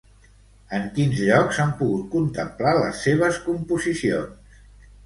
En quins llocs s'han pogut contemplar les seves composicions?